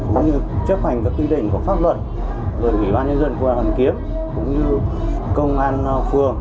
cũng như chấp hành các quy định của pháp luật rồi ủy ban nhân dân quận hoàn kiếm cũng như công an phường